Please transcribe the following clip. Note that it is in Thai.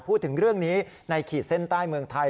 พูดถึงเรื่องนี้ในขีดเส้นใต้เมืองไทย